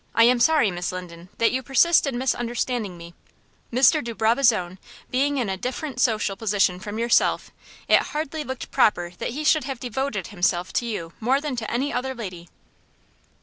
"I am sorry, Miss Linden, that you persist in misunderstanding me. Mr. de Brabazon, being in a different social position from yourself, it looked hardly proper that he should have devoted himself to you more than to any other lady."